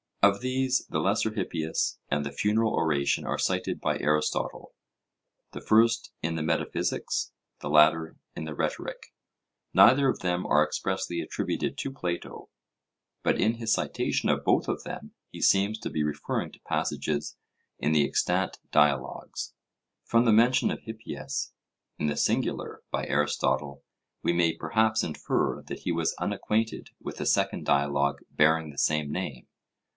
Of these, the Lesser Hippias and the Funeral Oration are cited by Aristotle; the first in the Metaphysics, the latter in the Rhetoric. Neither of them are expressly attributed to Plato, but in his citation of both of them he seems to be referring to passages in the extant dialogues. From the mention of 'Hippias' in the singular by Aristotle, we may perhaps infer that he was unacquainted with a second dialogue bearing the same name.